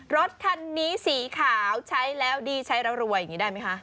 รถคันนี้สีขาวใช้แล้วดีใช้แล้วรวยอย่างนี้ได้ไหมคะ